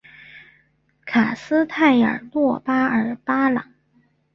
卡斯泰尔诺巴尔巴朗。